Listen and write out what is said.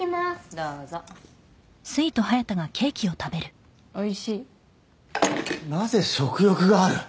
どうぞおいしいなぜ食欲がある？